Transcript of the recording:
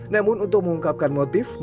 namun untuk mengungkapkan motif